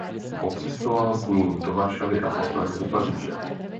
Odcestoval s ním do Varšavy a posléze do Paříže.